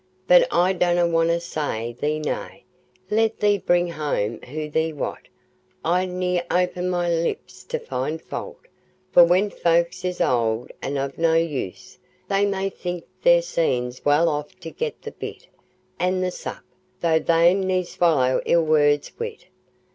But I donna want to say thee nay, let thee bring home who thee wut; I'd ne'er open my lips to find faut, for when folks is old an' o' no use, they may think theirsens well off to get the bit an' the sup, though they'n to swallow ill words wi't.